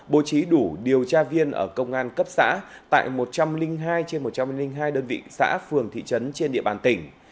bố trí đủ điều tra viên ở công an cấp xã tại một trăm linh hai trên một trăm linh hai đơn vị xã phường thị trấn trên địa bàn tỉnh